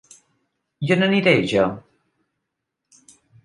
I on aniré, jo?